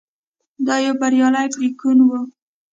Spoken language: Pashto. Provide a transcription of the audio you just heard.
دا یو بریالی پرېکون و.